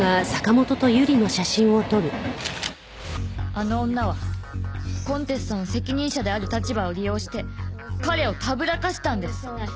あの女はコンテストの責任者である立場を利用して彼をたぶらかしたんです。